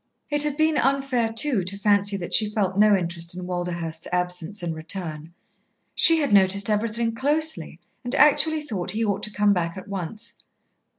It had been unfair, too, to fancy that she felt no interest in Walderhurst's absence and return. She had noticed everything closely, and actually thought he ought to come back at once.